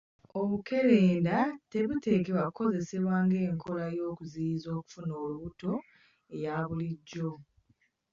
Obukerenda tebuteekwa kukozesebwa ng'e nkola y'okuziyiza okufuna olubuto eyaabulijjo.